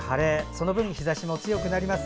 その分、日ざしも強くなります。